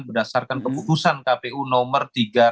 berdasarkan keputusan kpu nomor tiga ratus enam puluh delapan